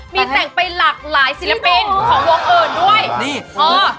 มีแต่งไปหลากหลายศิลปินของวงอื่นด้วยนี่เออ